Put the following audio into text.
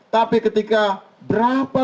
tapi ketika berapa